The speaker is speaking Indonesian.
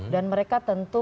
dan mereka tentu